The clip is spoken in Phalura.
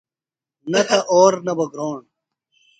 نہ تہ اور نہ بہ گھروݨ۔